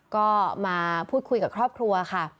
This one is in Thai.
ก็มาพูดคุยกับครอบครัวค่ะ